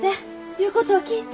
言うことを聞いて。